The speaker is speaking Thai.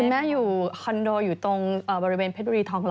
แม่อยู่คอนโดอยู่ตรงบริเวณเพชรบุรีทองหล